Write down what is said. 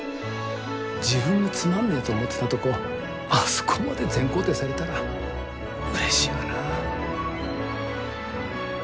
自分のつまんねえと思ってたとこあそこまで全肯定されたらうれしいわな。